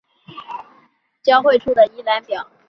本列表为香港新界区道路交汇处的一览表。